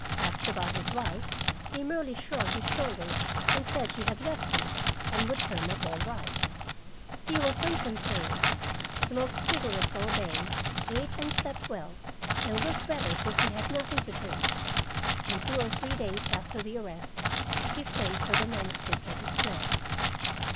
Asked about his wife, he merely shrugged his shoulders and said she had left him, and would turn up all right. He was unconcerned: smoked cigarettes all day, ate and slept well, and looked better since he had had nothing to drink. And two or three days after the arrest, he sent for the manuscript of his play.